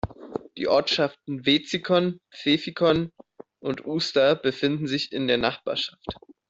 Die Ortschaften Wetzikon, Pfäffikon und Uster befinden sich in der Nachbarschaft.